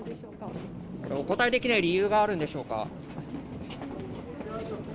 お答えできない理由があるんでしょうか？